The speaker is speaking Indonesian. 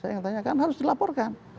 saya yang tanyakan harus dilaporkan